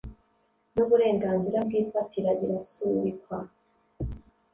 n uburenganzira bw ifatira birasubikwa